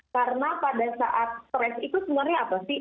karena pada saat stres itu sebenarnya apa sih